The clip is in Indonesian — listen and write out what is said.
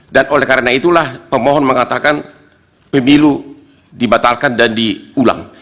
dan oleh karena itulah pemohon mengatakan pemilu dibatalkan dan diulang